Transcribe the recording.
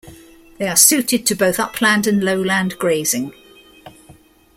They are suited to both upland and lowland grazing.